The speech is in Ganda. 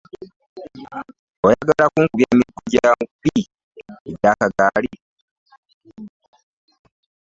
Oyagala kunkubya miggo gya mubbi w'akagaali?